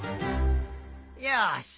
よし！